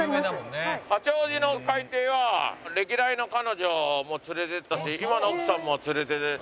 八王子のうかい亭は歴代の彼女も連れて行ったし今の奥さんも連れて行ったし。